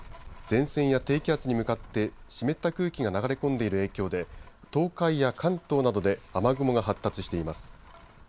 前線や低気圧に向かって湿った空気が流れ込んでいる影響で東海や関東などで雨雲が発達しています。